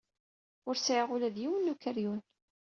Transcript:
Ur sɛiɣ ula d yiwen n ukeryun.